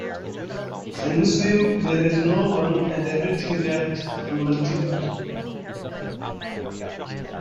In his view, there is no "one," and everything that a "multiple.